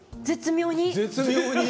絶妙に！